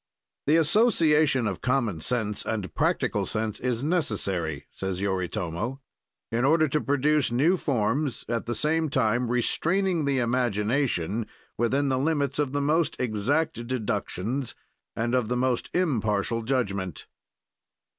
"The association of common sense and practical sense is necessary," says Yoritomo, "in order to produce new forms, at the same time restraining the imagination within the limits of the most exact deductions and of the most impartial judgment."